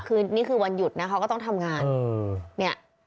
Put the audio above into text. คือนี่คือวันหยุดนะเขาก็ต้องทำงานเนี่ย